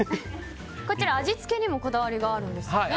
こちら、味付けにもこだわりがあるんですよね。